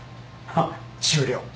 あっ終了？